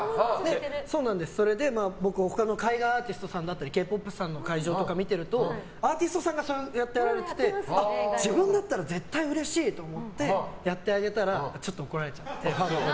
それで僕、他の海外アーティストさんだったりＫ‐ＰＯＰさんの会場とか見てるとアーティストさんがそうやってて自分だったら絶対うれしいと思ってやってあげたらちょっと怒られちゃって。